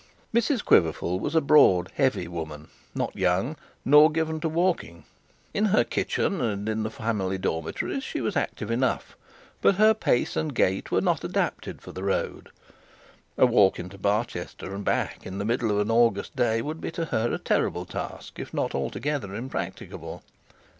Mrs Quiverful was a broad heavy woman, not young, nor given to walking. In her kitchen, and in the family dormitories, she was active enough; but her pace and gait were not adapted for the road. A walk into Barchester and back in the middle of an August day would be to her a terrible task, if not altogether impracticable.